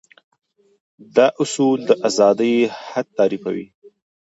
دا اصول د ازادي حد تعريفوي.